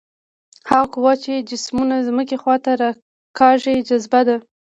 هغه قوه چې جسمونه ځمکې خواته راکاږي جاذبه ده.